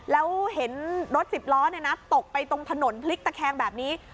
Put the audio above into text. แล้วเห็นรถสิบล้อตกไปตรงถนนพลิกตะแคงแบบนี้